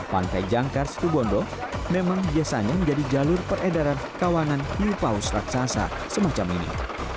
pantai jangkar situ bondo memang biasanya menjadi jalur peredaran kawangan new paus raksasa semacam ini